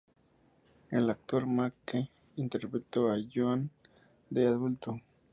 El actor Ma Ke interpretó a Yuan de adulto.